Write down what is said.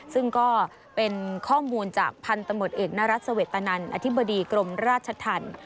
ซึ่งก็เป็นข้อมูลจากพันธมติเอกณรัศเวตนันอธิบดีกรมราชทัน